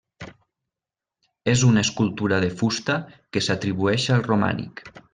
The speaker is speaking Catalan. És una escultura de fusta que s'atribueix al romànic.